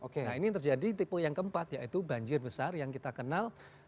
nah ini yang terjadi tipe yang keempat yaitu banjir besar yang kita kenal